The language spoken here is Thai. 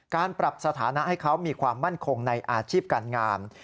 การปรับสถานะให้เขามีความมั่นคงในอาชีพการงาม